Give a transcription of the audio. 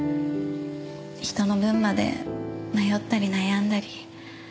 人の分まで迷ったり悩んだり。